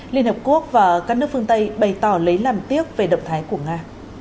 liên hợp quốc và các nước phương tây bày tỏ lấy làm tiếc về động thái của nga